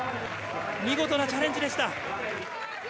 見事なチャレンジでした。